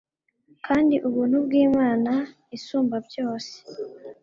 kandi ubuntu bw’Imana Isumba byose